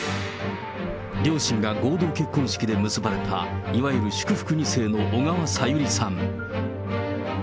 両親が合同結婚式で結ばれた、いわゆる祝福２世の小川さゆりさん。